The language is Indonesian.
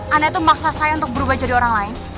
anda itu memaksa saya untuk berubah jadi orang lain